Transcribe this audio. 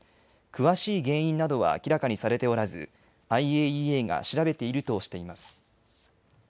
詳しい原因などは明らかにされておらずＩＡＥＡが調べているとしています。